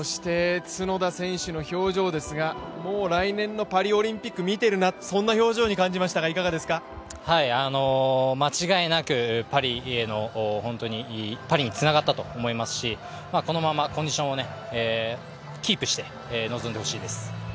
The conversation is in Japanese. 角田選手の表情ですが、もう来年のパリオリンピックを見ているな間違いなくパリにつながったと思いますしこのままコンディションをキープして臨んでほしいです。